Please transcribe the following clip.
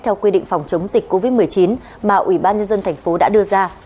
theo quy định phòng chống dịch covid một mươi chín mà ủy ban nhân dân thành phố đã đưa ra